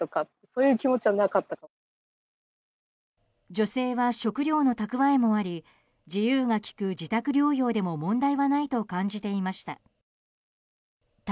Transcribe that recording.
女性は食料の蓄えもあり自由が利く自宅療養でも問題はないと感じていました。